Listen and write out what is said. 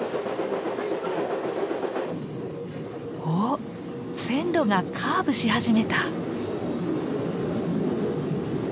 お線路がカーブし始めた。